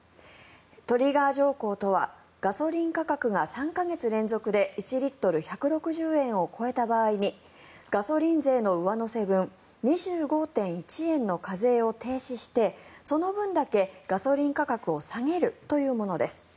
トリガー条項とはガソリン価格が３か月連続で１リットル１６０円を超えた場合にガソリン税の上乗せ分２５．１円の課税を停止してその分だけガソリン価格を下げるというものです。